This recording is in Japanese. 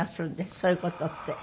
そういう事って。